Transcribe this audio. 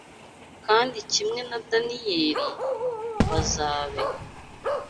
kandi kimwe na Daniyeli, bazabera